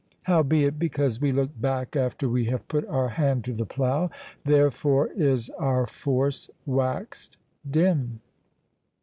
Howbeit, because we look back after we have put our hand to the plough, therefore is our force waxed dim."